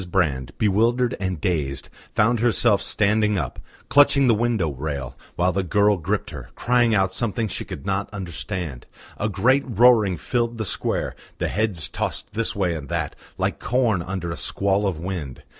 Brand, bewildered and dazed, found herself standing up, clutching the window rail, while the girl gripped her, crying out something she could not understand. A great roaring filled the square, the heads tossed this way and that, like corn under a squall of wind.